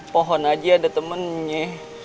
pohon aja ada temennya